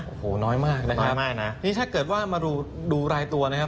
โอ้โหน้อยมากนะครับนี่ถ้าเกิดว่ามาดูรายตัวนะครับ